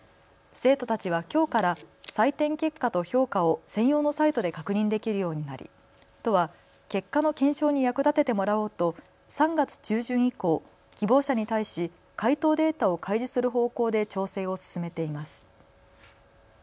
生徒たちはきょうから採点結果と評価を専用のサイトで確認できるようになり都は結果の検証に役立ててもらおうと３月中旬以降、希望者に対し解答データを開示する方向で調整を進めています。